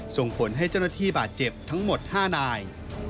ส่งผลให้เจ้าหน้าที่บาดเจ็บทั้งหมด๕นาย